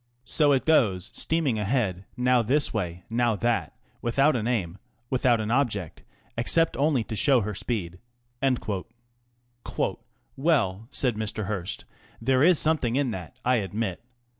So it goes steaming ahead, now this way, now that, with out an aim, without an object, except only to show her speed." " Well," said Mr. Hearst, " there is something in that, I admit.